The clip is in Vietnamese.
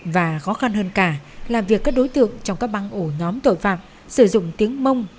và khó khăn hơn cả là việc các đối tượng trong các băng ổ nhóm tội phạm sử dụng tiếng mông